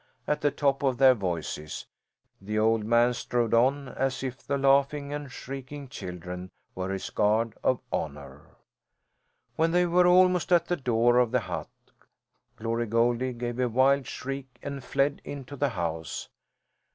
at the top of their voices. The old man strode on as if the laughing and shrieking children were his guard of honour. When they were almost at the door of the hut Glory Goldie gave a wild shriek, and fled into the house.